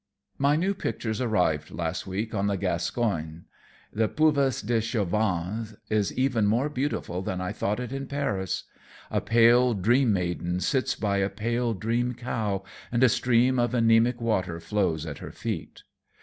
"My new pictures arrived last week on the 'Gascogne.' The Puvis de Chavannes is even more beautiful than I thought it in Paris. A pale dream maiden sits by a pale dream cow, and a stream of anemic water flows at her feet.